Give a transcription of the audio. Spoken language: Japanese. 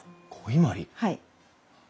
はい。